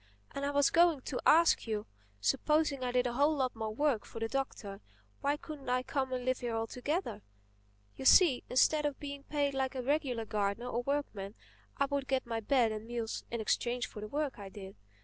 And I was going to ask you: supposing I did a whole lot more work for the Doctor—why couldn't I come and live here altogether? You see, instead of being paid like a regular gardener or workman, I would get my bed and meals in exchange for the work I did.